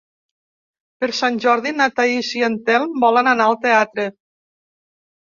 Per Sant Jordi na Thaís i en Telm volen anar al teatre.